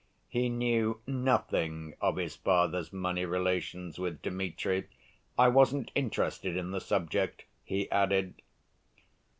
He knew nothing of his father's money relations with Dmitri. "I wasn't interested in the subject," he added.